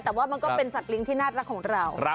แต่ว่ามันก็เป็นสัตว์เลี้ยงที่น่ารักของเรา